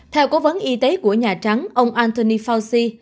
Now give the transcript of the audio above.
theo cố vấn y tế của nhà trắng ông antony fauci